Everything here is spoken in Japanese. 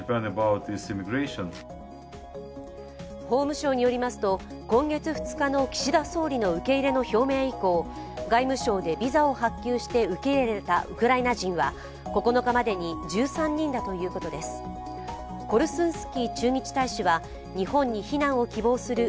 法務省によりますと今月２日の岸田総理の受け入れの表明以降外務省でビザを発給して受け入れたウクライナ人は、９日までに１３人だということです。